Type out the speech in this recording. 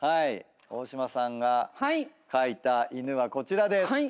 大島さんが描いた犬はこちらです。